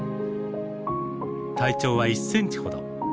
体長は１センチほど。